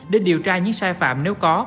để điều tra những sai phạm nếu có